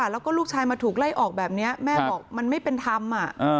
แล้วก็ลูกชายมาถูกไล่ออกแบบนี้แม่บอกมันไม่เป็นธรรม